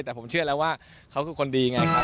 แต่ผมเชื่อแล้วว่าเขาคือคนดีไงครับ